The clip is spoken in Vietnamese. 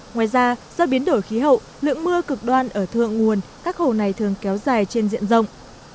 ngoài ra do biến đổi khí hậu lượng mưa cực đoan ở thượng nguồn các hồ này thường kéo dài trên diện rộng